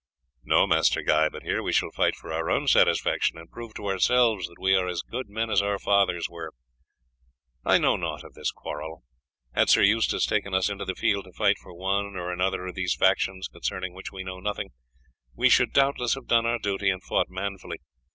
"No, Master Guy; but here we shall fight for our own satisfaction, and prove to ourselves that we are as good men as our fathers were. I know naught of this quarrel. Had Sir Eustace taken us into the field to fight for one or other of these factions concerning which we know nothing, we should doubtless have done our duty and fought manfully.